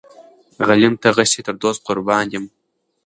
غلیم ته غشی تر دوست قربان یم.